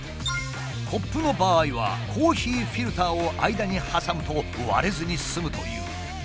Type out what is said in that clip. コップの場合はコーヒーフィルターを間に挟むと割れずに済むという。